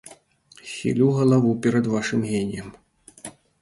Хілю галаву перад вашым геніем.